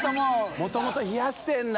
もともと冷やしてるんだ。